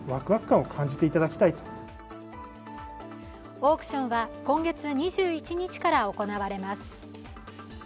オークションは今月２１日から行われます。